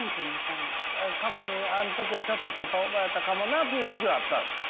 過去にあん時はちょっとキャパオーバーやったかもなっていう時期はあったんすか？